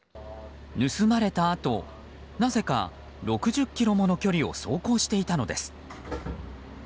盗まれたあとなぜか６０ｋｍもの距離を走行していたのです。